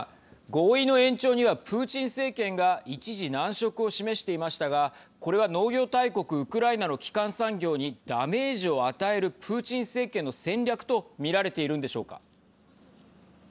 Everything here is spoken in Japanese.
合意の延長にはプーチン政権が一時難色を示していましたがこれは農業大国ウクライナの基幹産業にダメージを与えるプーチン政権の戦略と見られているんでしょうか。